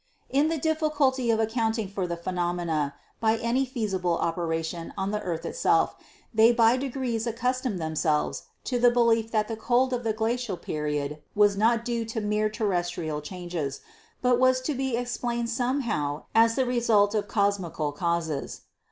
In the difficulty of ac counting for the phenomena by any feasible operation on the earth itself, they by degrees accustomed themselves to the belief that the cold of the Glacial Period was not due to mere terrestrial changes, but was to be explained somehow as the result of cosmical causes.